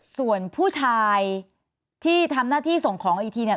ส่วนผู้ชายที่ทำหน้าที่ส่งของอีกทีเนี่ย